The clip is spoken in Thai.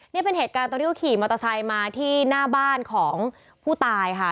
นี่เป็นเหตุการณ์ตอนที่เขาขี่มอเตอร์ไซค์มาที่หน้าบ้านของผู้ตายค่ะ